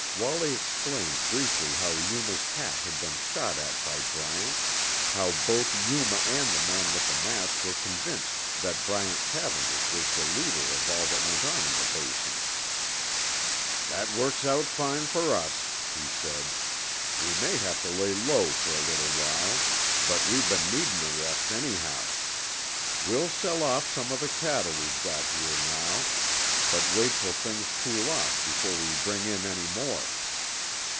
Wallie explained briefly how Yuma's hat had been shot at by Bryant; how both Yuma and the man with the mask were convinced that Bryant Cavendish was the leader of all that went on in the Basin. "That works out fine for us," he said. "We may have to lay low for a little while, but we've been needin' a rest anyhow. We'll sell off some of the cattle we've got here now, but wait till things cool off before we bring in any more."